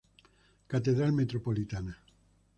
Catedral Metropolitana.